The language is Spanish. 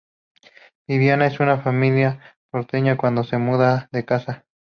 Vivencias de una familia porteña cuando se mudan de casa.